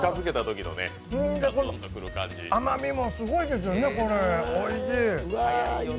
それで甘みもすごいですよね、おいしい。